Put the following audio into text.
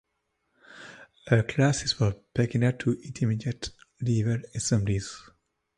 A Class is for beginner to intermediate level ensembles.